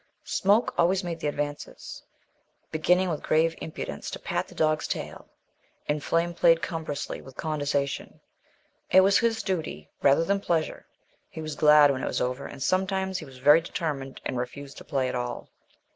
Smoke always made the advances, beginning with grave impudence to pat the dog's tail, and Flame played cumbrously, with condescension. It was his duty, rather than pleasure; he was glad when it was over, and sometimes he was very determined and refused to play at all.